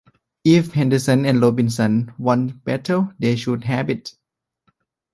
If Henderson and Robinson wanted battle, they should have it.